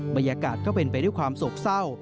บรรยากาศก็เป็นไปด้วยความโศกเศร้า